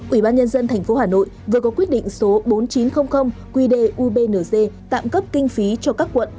ủy ban nhân dân tp hà nội vừa có quyết định số bốn nghìn chín trăm linh quy đề ubnz tạm cấp kinh phí cho các quận